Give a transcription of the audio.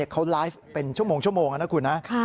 เขาไลฟ์เป็นชั่วโมงนะคุณนะ